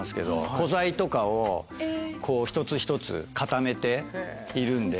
古材とかをこう一つ一つ固めているんで。